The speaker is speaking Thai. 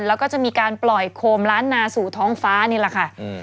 แล้วก็จะมีการปล่อยโคมล้านนาสู่ท้องฟ้านี่แหละค่ะ